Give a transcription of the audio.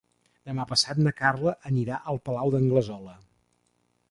Demà passat na Carla anirà al Palau d'Anglesola.